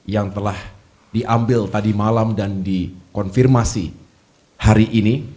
yang telah diambil tadi malam dan dikonfirmasi hari ini